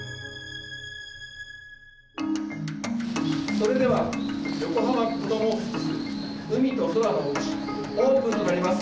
それでは「横浜こどもホスピスうみとそらのおうち」オープンとなります。